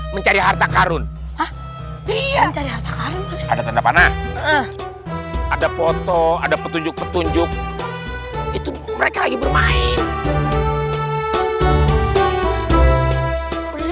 mencari harta karun hah iya ada tanda panah ada foto ada petunjuk petunjuk itu mereka lagi bermain